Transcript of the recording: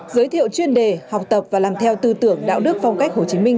giới thiệu chuyên đề học tập và làm theo tư tưởng đạo đức phong cách hồ chí minh